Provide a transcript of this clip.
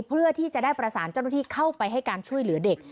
เพื่อที่จะได้ประสานเจ้าหน้าที่เข้าไปให้การช่วยเหลือเด็ก